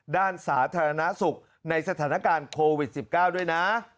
ด้านสาธารณสุขในสถานการณ์โควิด๑๙ด้วยนะ